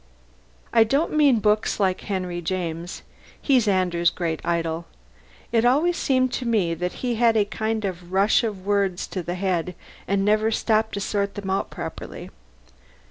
I don't mean books like Henry James's (he's Andrew's great idol. It always seemed to me that he had a kind of rush of words to the head and never stopped to sort them out properly).